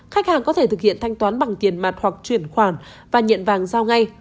khách hàng có thể thực hiện thanh toán bằng tiền mặt hoặc chuyển khoản và nhận vàng giao ngay